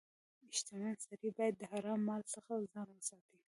• شتمن سړی باید د حرام مال څخه ځان وساتي.